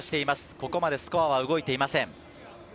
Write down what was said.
ここまでスコアは動いていません。